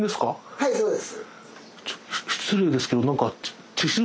はいそうです。